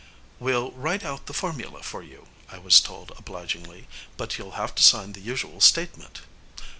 "We'll write out the formula for you," I was told obligingly. "But you'll have to sign the usual statement."